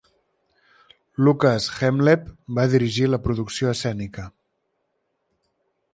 Lukas Hemleb va dirigir la producció escènica.